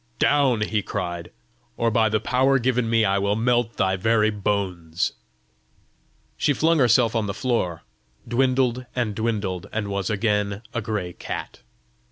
"Down!" he cried; "or by the power given me I will melt thy very bones." She flung herself on the floor, dwindled and dwindled, and was again a gray cat.